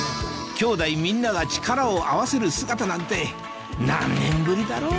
きょうだいみんなが力を合わせる姿なんて何年ぶりだろう